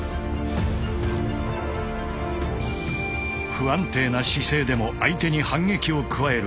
不安定な姿勢でも相手に反撃を加える。